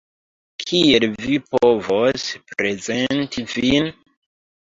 Kiel vi povos prezenti vin?